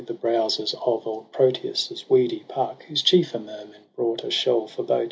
The browzers of old Proteus' weedy park. Whose chiefer Mermen brought a shell for boat.